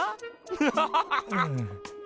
フハハハハ！